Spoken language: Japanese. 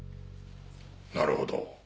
なるほど。